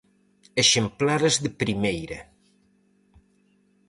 Exemplares de primeira!